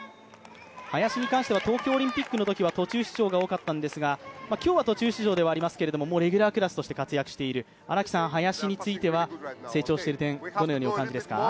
林に関しては東京オリンピックのときは途中出場が多かったんですが、今日は途中出場ではありますがレギュラークラスで活躍している林については成長している点、どのようにお感じですか？